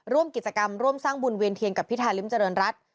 ร่วมกิจกรรมร่วมสร้างบุญเวียนเทียนกับพิธาริมเจริญรัฐ